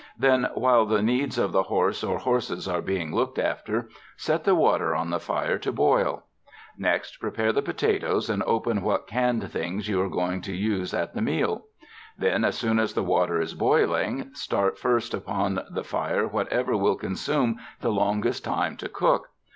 Then while the needs of the horse or horses are being looked after, set the water on the fire to boil. Next prepare the potatoes and open what canned things you are going to use at the meal. Then as soon as the water is boiling, start first upon the fire whatever will con sume the longest time to cook.